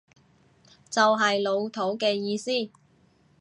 就係老土嘅意思